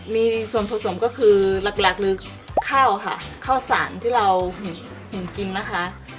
มีส่วนผสมก็คือหลักเลยข้าวค่ะข้าวสารที่เรากินนะคะ